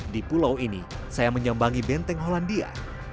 di pulau ini saya menyembangi benteng hollandia